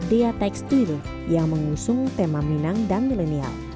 dia tekstil yang mengusung tema minang dan milenial